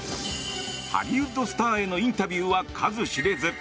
ハリウッドスターへのインタビューは数知れず。